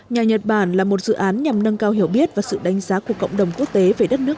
nhà nhật bản là một dự án nhằm nâng cao hiểu biết và sự đánh giá của cộng đồng quốc tế về đất nước